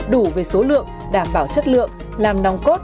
đủ về số lượng đảm bảo chất lượng làm nóng